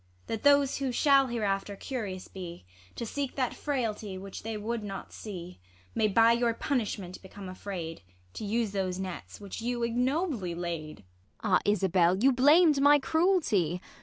That those who shall hereafter curious be, To seek that frailty, which they would not see, May by your punishment become afraid, To use those nets Avhich you ignobly laid. Ang. Ah, Isabell ! you blam'd my cruelty